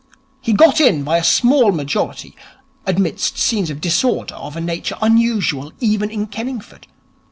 He got in by a small majority amidst scenes of disorder of a nature unusual even in Kenningford.